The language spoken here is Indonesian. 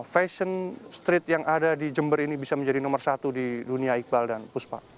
fashion street yang ada di jember ini bisa menjadi nomor satu di dunia iqbal dan puspa